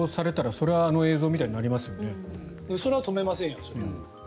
それは止めませんよね。